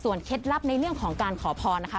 เคล็ดลับในเรื่องของการขอพรนะคะ